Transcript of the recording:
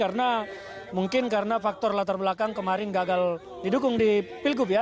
karena mungkin karena faktor latar belakang kemarin gagal didukung di pilgub ya